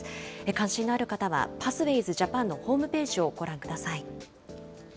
関心のある方は、パスウェイズ・ジャパンのホームページをご覧ください。